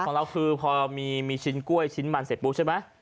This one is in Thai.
ของเราคือพอมีชิ้นกล้วยชิ้นมันเสร็จปุ๊บใช่ไหม